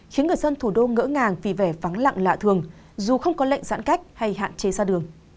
khiến người dân thủ đô ngỡ ngàng vì vẻ vắng lặng lạ thường dù không có lệnh giãn cách hay hạn chế ra đường